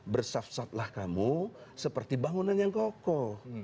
bersafsatlah kamu seperti bangunan yang kokoh